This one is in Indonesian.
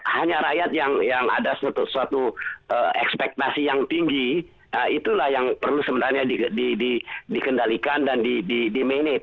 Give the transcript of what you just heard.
hanya rakyat yang ada suatu ekspektasi yang tinggi itulah yang perlu sebenarnya dikendalikan dan di manage